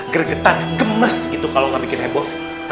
geregetan gemes gitu kalau gak bikin heboh